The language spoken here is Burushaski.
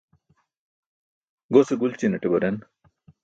Gose gulćinaṭe baren.